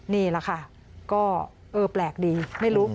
นี่แหละค่ะก็เออแปลกดีไม่รู้